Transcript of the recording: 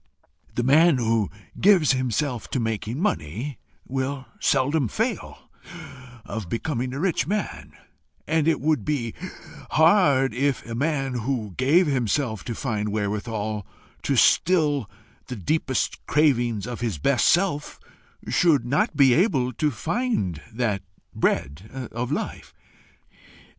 The man who gives himself to making money, will seldom fail of becoming a rich man; and it would be hard if a man who gave himself to find wherewithal to still the deepest cravings of his best self, should not be able to find that bread of life.